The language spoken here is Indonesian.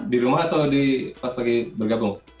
di rumah atau di pas lagi bergabung